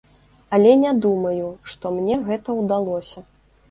Але не думаю, што мне гэта ўдалося.